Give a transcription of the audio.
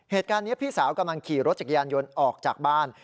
เหตุการณ์นี้พี่สาวกำลังขี่รถจักรยานยนต์ออกจากบ้าน